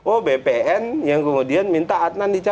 oh bpn yang kemudian minta adnan dicari